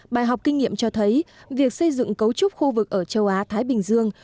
bài học kinh nghiệm cho thấy việc xây dựng cấu trúc khu vực ở châu á thái bình dương